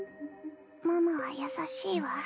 ママは優しいわ。